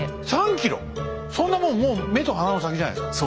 そんなもんもう目と鼻の先じゃないですか。